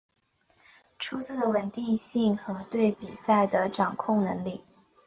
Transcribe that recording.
出色的稳定性和对比赛的掌控能力。